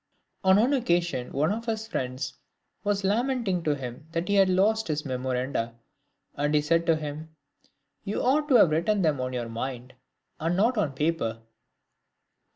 On one occasion one of his friends was lamenting to him that he had lost his memoranda, and he said to him, " You ought to have written them on your mind, and not on paper."